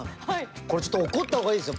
これちょっと怒った方がいいですよ。